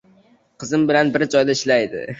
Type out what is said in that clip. — Qizim bilan bir joyda ishlaydi.